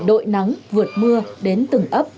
đội nắng vượt mưa đến từng ấp